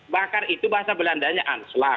makar itu bahasa belandanya anslag